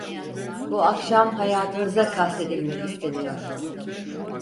Bu akşam hayatınıza kastedilmek isteniyor!